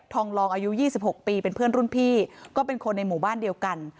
ลองอายุ๒๖ปีเป็นเพื่อนรุ่นพี่ก็เป็นคนในหมู่บ้านเดียวกัน